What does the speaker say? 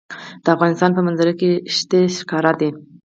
د افغانستان په منظره کې ښتې ښکاره ده.